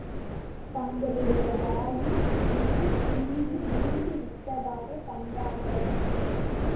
தங்களுடைய வாளின் நுனி சிறிது முறிந்து விட்டதாகக் கண்டார்கள்.